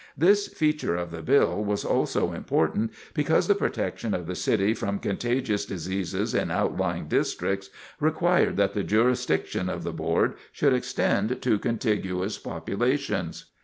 This feature of the bill was also important because the protection of the city from contagious diseases in outlying districts required that the jurisdiction of the Board should extend to contiguous populations.